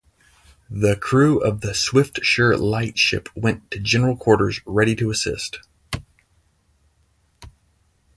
The crew of the "Swiftsure" lightship went to general quarters, ready to assist.